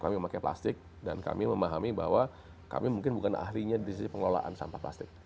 kami memakai plastik dan kami memahami bahwa kami mungkin bukan ahlinya di sisi pengelolaan sampah plastik